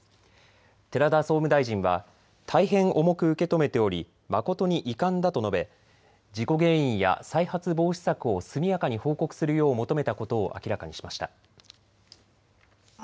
寺田総務大臣は大変重く受け止めており誠に遺憾だと述べ事故原因や再発防止策を速やかに報告するよう求めたことを明らかにしました。